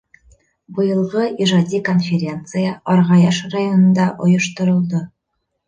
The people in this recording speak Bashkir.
Быйылғы ижади конференция Арғаяш районында ойошторолдо.